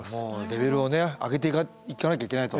レベルを上げていかなきゃいけないと。